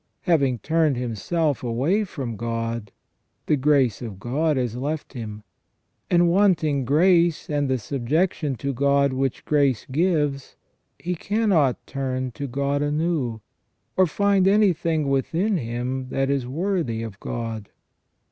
Having turned himself away from God, the grace of God has left him : and wanting grace and the subjection to God which grace gives, he cannot turn to God anew, or find anything within him that is worthy of God.